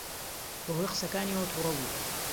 بەهۆی قسەکانیەوە تووڕە بوو.